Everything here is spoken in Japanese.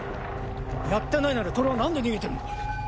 やってないなら透は何で逃げてるんだ？